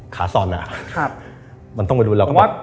ขาซ่อนอะมันต้องไปดูแล้ว